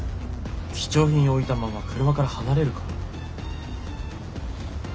貴重品を置いたまま車から離れるか？